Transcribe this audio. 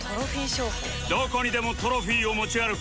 どこにでもトロフィーを持ち歩く